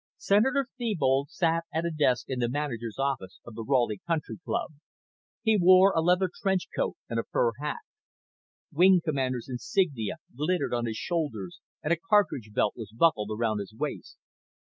Senator Thebold sat at a desk in the manager's office of the Raleigh Country Club. He wore a leather trench coat and a fur hat. Wing commander's insignia glittered on his shoulders and a cartridge belt was buckled around his waist.